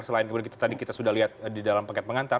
selain kemudian kita tadi kita sudah lihat di dalam paket pengantar